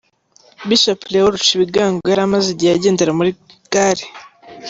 Bishop Leo Rucibigango yari amaze igihe agendera mu igare.